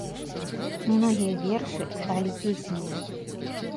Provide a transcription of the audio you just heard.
Многія вершы сталі песнямі.